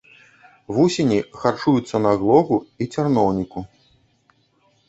Вусені харчуюцца на глогу і цярноўніку.